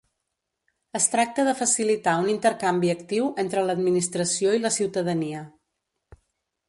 Es tracta de facilitar un intercanvi actiu entre l'Administració i la ciutadania.